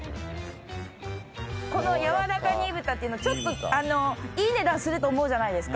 このやわらか煮豚っていうのいい値段すると思うじゃないですか。